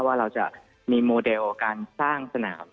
ว่าเราจะมีโมเดลการสร้างสนาม